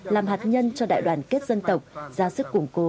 làm hạt nhân cho đại đoàn kết dân tộc ra sức củng cố